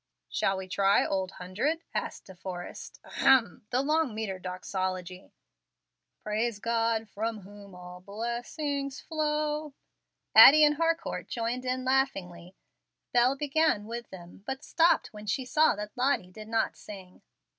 "Shall we try Old Hundred?" asked De Forrest. "Ahem! The long metre doxology. "Praise God from whom all blessings flow." Addie and Harcourt joined in laughingly. Bel began with them, but stopped when she saw that Lottie did not sing.